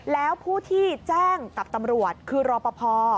แล้วผู้ที่แจ้งกับตำรวจคือรอปภ